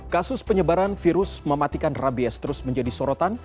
kasus penyebaran virus mematikan rabies terus menjadi sorotan